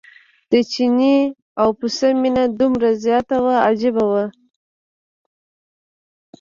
د چیني او پسه مینه دومره زیاته وه عجیبه وه.